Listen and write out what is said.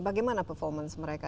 bagaimana performance mereka